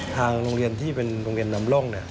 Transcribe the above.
ทางโรงเรียนที่เป็นโรงเรียนนำร่อง